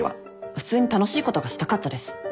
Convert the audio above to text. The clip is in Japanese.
普通に楽しいことがしたかったです。